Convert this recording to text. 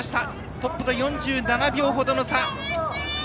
トップと４７秒程の差。